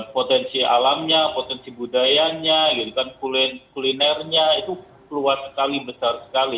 potensi alamnya potensi budayanya kulinernya itu luas sekali besar sekali